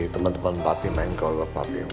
temen temen papi main gol buat papi